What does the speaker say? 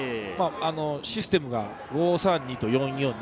システムが５−３−２と４−４−２。